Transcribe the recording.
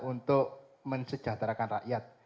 untuk mensejahterakan rakyat